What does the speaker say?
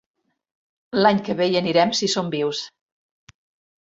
L'any que ve hi anirem, si som vius.